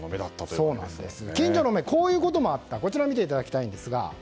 近所の目こういうこともありました。